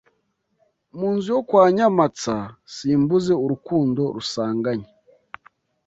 Mu nzu yo kwa Nyamatsa Simbuze urukundo rusanganye